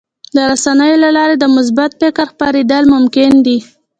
د رسنیو له لارې د مثبت فکر خپرېدل ممکن دي.